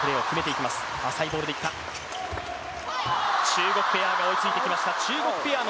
中国ペアが追いついてきました。